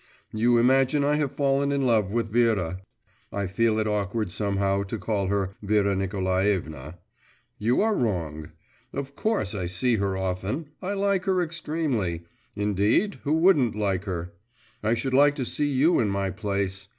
You imagine I have fallen in love with Vera (I feel it awkward, somehow, to call her Vera Nikolaevna); you are wrong. Of course I see her often, I like her extremely … indeed, who wouldn't like her? I should like to see you in my place.